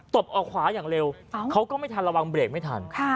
ตบออกขวาอย่างเร็วเขาก็ไม่ทันระวังเบรกไม่ทัน